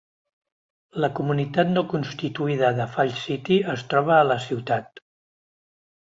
La comunitat no constituïda de Falls City es troba a la ciutat.